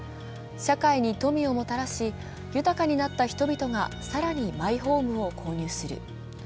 社会に富をもたらし、豊かになった人々が更にマイホームを購入する。